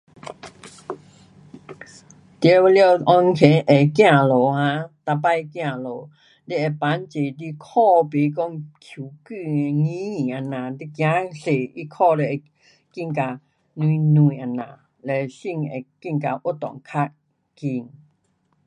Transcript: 全部按时得走路 um，每次走路，你会帮助你脚不讲抽筋硬硬这样，你走多你脚就会觉得软软这样，嘞心会觉得活动较快。